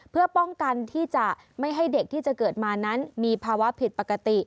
เพื่อป้องกันที่จะไม่ให้เด็กที่จะเกิดมานั้นมีภาวะผิดปกติ